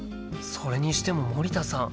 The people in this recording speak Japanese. それにしても森田さん